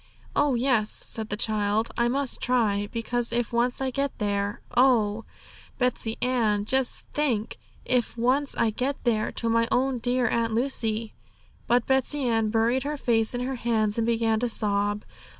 'Oh yes,' said the child; 'I must try; because if once I get there oh, Betsey Ann, just think if once I get there, to my own dear Aunt Lucy!' But Betsey Ann buried her face in her hands and began to sob.